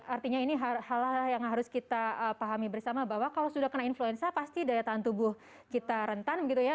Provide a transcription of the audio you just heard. artinya ini hal hal yang harus kita pahami bersama bahwa kalau sudah kena influenza pasti daya tahan tubuh kita rentan begitu ya